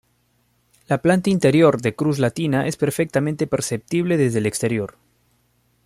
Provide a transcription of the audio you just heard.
La planta interior, de cruz latina, es perfectamente perceptible desde el exterior.